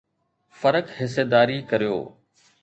فرق حصيداري ڪريو